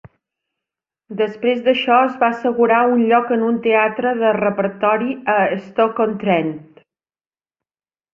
Després d'això, es va assegurar un lloc en un teatre de repertori a Stoke-on-Trent.